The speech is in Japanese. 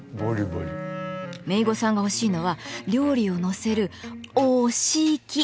めいごさんが欲しいのは料理を載せるお・し・き。